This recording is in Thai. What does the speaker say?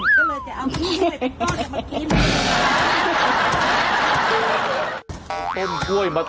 ก็เลยจะเอากล้วยเป็นต้นแล้วก็มากิน